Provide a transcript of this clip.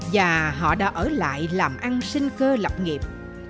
và họ đã ở lại làm ăn sinh cơ lập nghiệp